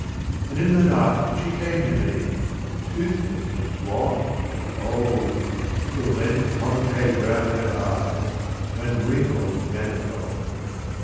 And in the night she came to me, Toothless, and wan, and old, With leaden concaves round her eyes, And wrinkles manifold.